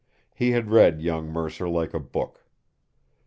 He had read young Mercer like a book.